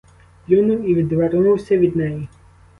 Плюнув і відвернувся від неї.